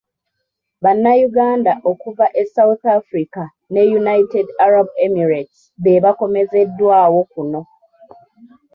Bannayuganda okuva e South Africa ne United Arab Emirates bebaakomezeddwawo kuno.